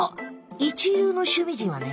一流の趣味人はね